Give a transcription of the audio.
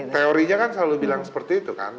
teorinya kan selalu bilang seperti itu kan